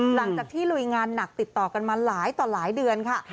หลังจากที่ลุยงานหนักติดต่อกันมาหลายต่อหลายเดือนค่ะ